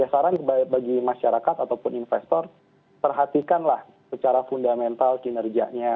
saran bagi masyarakat ataupun investor perhatikanlah secara fundamental kinerjanya